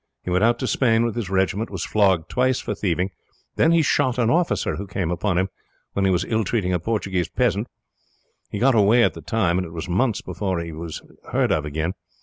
He went out to Spain with his regiment, was flogged twice for thieving, then he shot an officer who came upon him when he was ill treating a Portuguese peasant; he got away at the time, and it was months before he was heard of again.